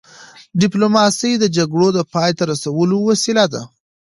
ډيپلوماسي د جګړو د پای ته رسولو وسیله ده.